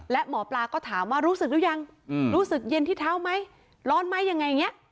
และหมอปลาก็ถามว่ารู้สึกหรือยังรู้สึกเย็นที่เท้าไหมร้อนไหมยังไงอย่างนี้